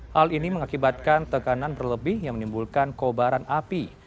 hal ini mengakibatkan tekanan berlebih yang menimbulkan kobaran api